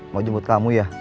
mau jemput kamu ya